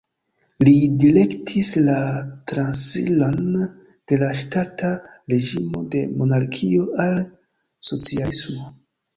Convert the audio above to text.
Li direktis la transiron de la ŝtata reĝimo de monarkio al socialismo.